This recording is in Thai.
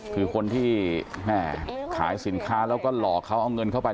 คือคนที่แม่ขายสินค้าแล้วก็หลอกเขาเอาเงินเข้าไป